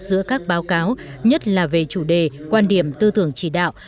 giữa các báo cáo nhất là về chủ đề quan điểm tư tưởng chỉ đạo